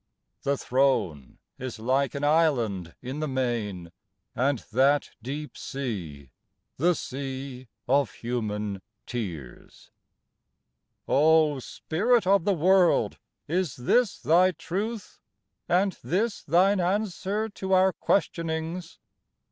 The throne is like an island in the main, And that deep sea the sea of human tears. O Spirit of the world, is this thy truth, And this thine answer to our questionings?